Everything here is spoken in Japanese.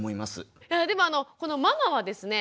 でもこのママはですね